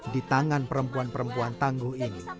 di tangan perempuan perempuan tangguh ini